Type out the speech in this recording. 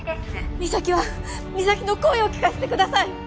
実咲は実咲の声を聞かせてください